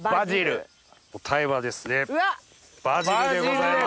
答えはバジルでございます。